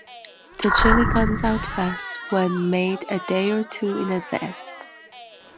This chili comes out best when made a day or two in advance